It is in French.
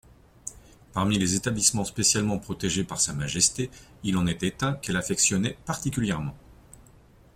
Parmi les établissemens spécialement protégés par Sa Majesté, il en était un qu'elle affectionnait particulièrement.